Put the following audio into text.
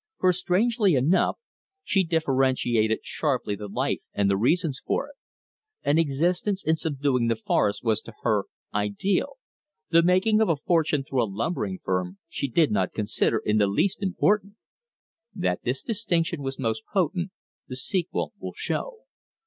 For, strangely enough, she differentiated sharply the life and the reasons for it. An existence in subduing the forest was to her ideal; the making of a fortune through a lumbering firm she did not consider in the least important. That this distinction was most potent, the sequel will show.